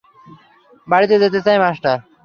বাড়িতে যেতে চাই, মাস্টার।